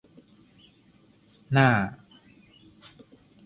หน้า